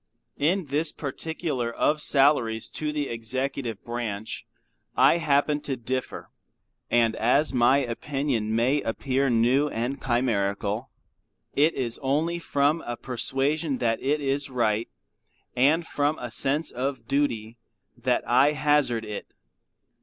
In this particular of salaries to the Executive branch I happen to differ; and as my opinion may appear new and chimerical, it is only from a persuasion that it is right, and from a sense of duty that I hazard it.